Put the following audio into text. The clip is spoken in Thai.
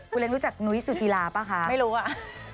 ครูเล้งรู้จักนุ้ยสุจีราเปล่าคะไม่รู้ว้า